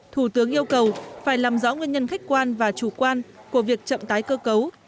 thủ tướng yêu cầu phải làm rõ nguyên nhân khách quan và chủ quan của việc chậm tái cơ cấu